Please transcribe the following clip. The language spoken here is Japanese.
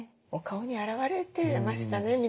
お顔に表れてましたね